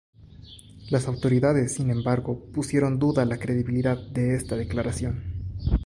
Las autoridades sin embargo pusieron en duda la credibilidad de esta declaración.